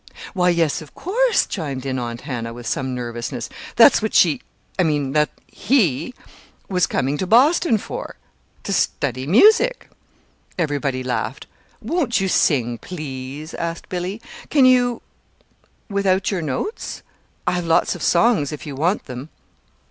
"Why, yes, of course," chimed in Aunt Hannah with some nervousness. "That's what she I mean he was coming to Boston for to study music." Everybody laughed. "Won't you sing, please?" asked Billy. "Can you without your notes? I have lots of songs if you want them."